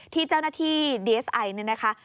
ที่เจ้าหน้าที่ดีเอสไอเนี่ยนะคะ